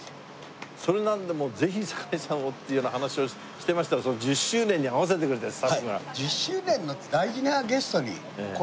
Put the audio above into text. それなのでもうぜひ堺さんをっていうような話をしてましたら１０周年に合わせてくれてスタッフが。